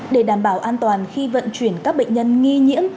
để đảm bảo an toàn khi vận chuyển các bệnh nhân nghi nhiễm